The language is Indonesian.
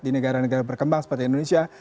di negara negara berkembang seperti indonesia